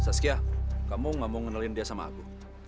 saskia kamu gak mau ngenelin dia sama aku